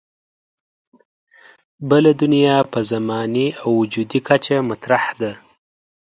بله دنیا په زماني او وجودي کچه مطرح ده.